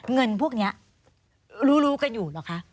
เงินพวกนี้รู้กันอยู่เหรอคะ